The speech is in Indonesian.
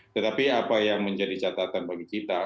tetapi apa yang menjadi catatan bagi kita